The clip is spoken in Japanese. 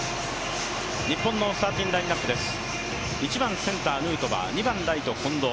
日本のスターティングラインナップです。